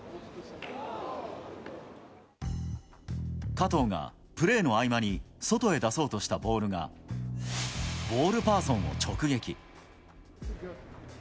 加藤がプレーの合間に外へ出そうとしたボールが、ボールパーソンを直撃。